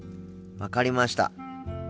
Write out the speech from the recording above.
分かりました。